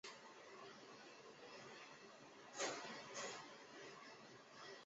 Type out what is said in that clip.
曾是国际贸易与工业部第一副部长。